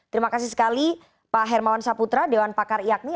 terima kasih sekali pak hermawan saputra dewan pakar iakmi